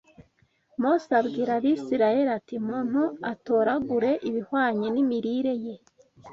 Mose abwira Abisirayeli ati umuntu atoragure ibihwanye n’imirire ye